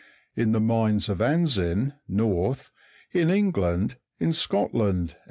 226), in the mines of Anzin (North) in Eng land, in Scotland, &.